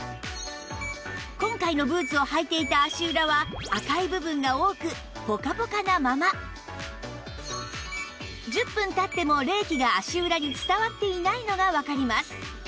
今回のブーツを履いていた足裏は赤い部分が多くポカポカなまま１０分経っても冷気が足裏に伝わっていないのがわかります